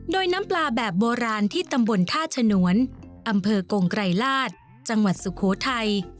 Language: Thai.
โดยน้ำปลาแบบโบราณที่ตำบลท่าฉนวนอำเภอกงไกรลาศจังหวัดสุโขทัย